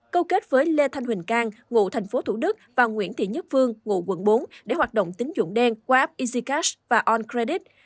câu kết với lê thanh huỳnh cang ngụ tp thủ đức và nguyễn thị nhất phương ngụ quận bốn để hoạt động tính dụng đen qua app easycas và oncredit